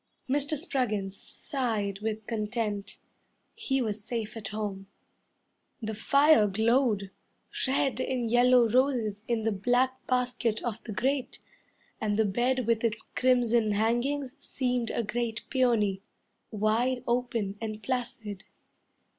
Mr. Spruggins sighed with content; He was safe at home. The fire glowed red and yellow roses In the black basket of the grate And the bed with its crimson hangings Seemed a great peony, Wide open and placid.